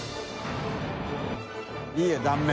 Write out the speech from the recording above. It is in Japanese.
いい断面。